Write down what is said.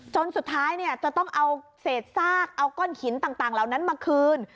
จนสุดท้ายจะต้องเอาเศษซากเอาก้อนหินต่างเหล่านั้นมาคืน